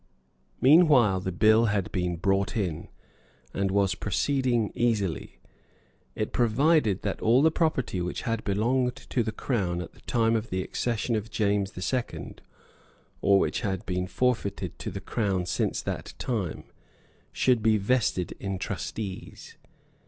Meanwhile the bill had been brought in, and was proceeding easily. It provided that all the property which had belonged to the Crown at the time of the accession of James the Second, or which had been forfeited to the Crown since that time, should be vested in trustees.